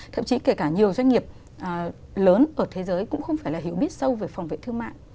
thậm chí kể cả nhiều doanh nghiệp lớn ở thế giới cũng không phải là hiểu biết sâu về phòng vệ thương mại